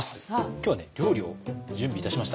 今日はね料理を準備いたしました。